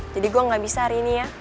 jadi gue enggak bisa hari ini ya